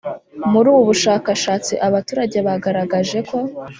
Muri ubu bushakashatsi abaturage bagaragaje ko